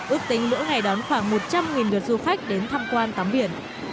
ước tính mỗi ngày đón khoảng một trăm linh lượt du khách đến tham quan tắm biển